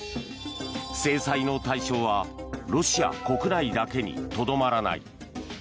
制裁の対象はロシア国内だけにとどまらない。